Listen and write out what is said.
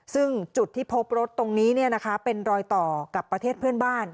ซึ่งจุดที่พบรถตรงนี้เป็นรอยต่อกับประเทศเพื่อนบ้าน